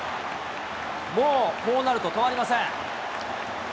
もうこうなると止まりません。